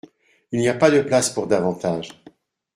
Il n'y a pas de place pour davantage.